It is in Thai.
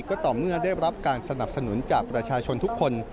ก็ต่อเมื่อได้รับการสนับสนุนจากประชาชนทุกคน